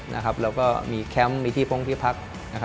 แล้วก็มีแคมป์มีที่พงที่พัก